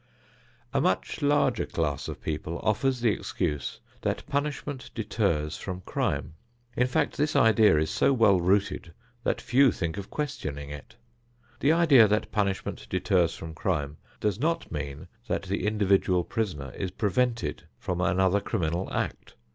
A much larger class of people offers the excuse that punishment deters from crime. In fact, this idea is so well rooted that few think of questioning it. The idea that punishment deters from crime does not mean that the individual prisoner is prevented from another criminal act.